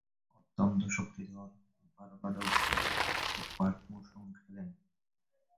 অত্যন্ত শক্তিধর বার্বাডোস দলের পক্ষে কয়েক মৌসুম খেলেন।